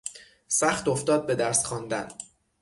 سخت افتاد به درس خواندن.